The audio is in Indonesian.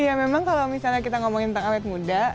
iya memang kalau misalnya kita ngomongin tentang awet muda